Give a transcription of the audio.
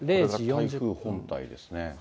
これが台風本体ですね。